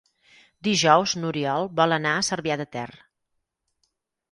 Dijous n'Oriol vol anar a Cervià de Ter.